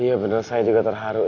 iya benar saya juga terharu